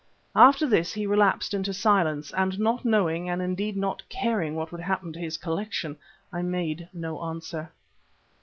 After this he relapsed into silence, and not knowing and indeed not caring what would happen to his collection, I made no answer.